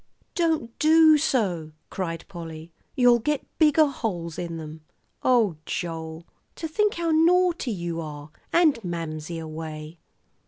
"Don't do so," cried Polly. "You'll get bigger holes in 'em. Oh, Joel, to think how naughty you are, and Mamsie away!"